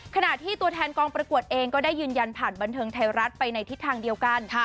ขณะที่ตัวแทนกองประกวดเองก็ได้ยืนยันผ่านบันเทิงไทยรัฐไปในทิศทางเดียวกัน